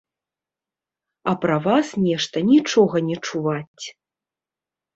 А пра вас нешта нічога не чуваць.